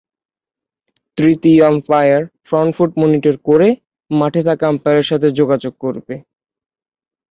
তৃতীয় umpire front foot monitor করে, মাঠে থাকা আম্পায়ারের সাথে যোগাযোগ করবে।